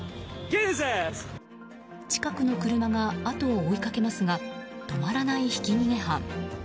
近くの車が後を追いかけますが止まらないひき逃げ犯。